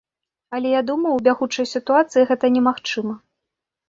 Але я думаю, у бягучай сітуацыі гэта немагчыма.